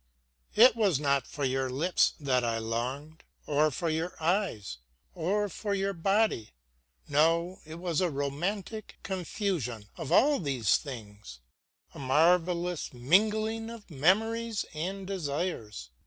It was not for your lips that I longed, or for your eyes, or for your body; no, it was a romantic confusion of all of these things, a marvelous mingling of memories and desires.